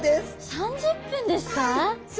３０分ですか！